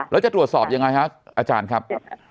แล้วจะตรวจสอบยังไงฮะอาจารย์ครับ